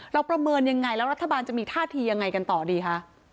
ประเมินยังไงแล้วรัฐบาลจะมีท่าทียังไงกันต่อดีคะ